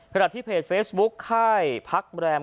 ขณะที่เพจเฟซบุคค่ายพรรณ์